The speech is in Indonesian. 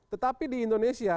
tetapi di indonesia